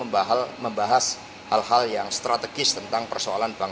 dan membahas hal hal yang strategis tentang peradaban